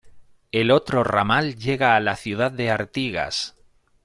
El otro ramal llega a la ciudad de Artigas.